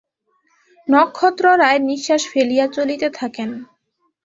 নক্ষত্ররায় নিশ্বাস ফেলিয়া চলিতে থাকেন।